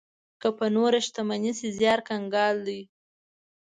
که په نوره شتمني شي زيار کنګال دی.